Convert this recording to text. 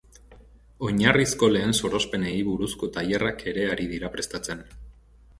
Oinarrizko lehen sorospenei buruzko tailerrak ere ari dira prestatzen.